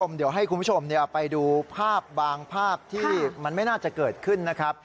เดี๋ยวให้คุณผู้ชมไปดูภาพบางภาพที่มันไม่น่าจะเกิดขึ้นนะครับ